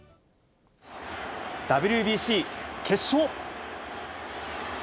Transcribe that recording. ＷＢＣ決勝。